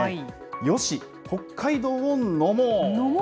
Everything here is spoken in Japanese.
よし、北海道を飲もう！